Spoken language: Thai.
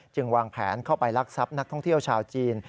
วางแผนเข้าไปลักทรัพย์นักท่องเที่ยวชาวจีน